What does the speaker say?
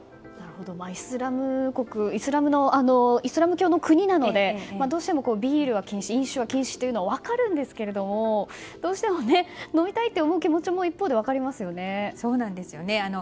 イスラム教の国なのでどうしてもビールは禁止飲酒は禁止というのは分かるんですけど、どうしても飲みたいと思う気持ちも一方で分かりますよね。